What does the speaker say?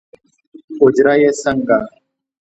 اوجره یې څنګه؟